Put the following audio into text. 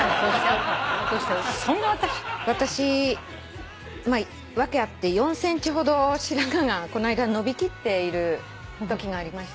私訳あって４ｃｍほど白髪がこの間伸びきっているときがありまして。